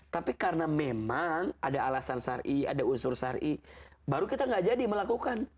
tapi karena memang ada alasan sari ada usur sari baru kita nggak jadi melakukan